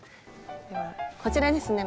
ではこちらですね